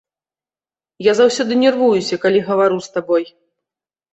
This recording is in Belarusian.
Я заўсёды нервуюся, калі гавару з табой.